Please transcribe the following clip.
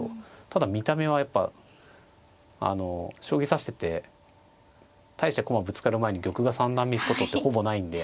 ただ見た目はやっぱあの将棋指してて大して駒ぶつかる前に玉が三段目行くことってほぼないんで。